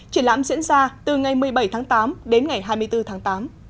triển lãm diễn ra từ ngày một mươi bảy tháng tám đến ngày hai mươi bốn tháng tám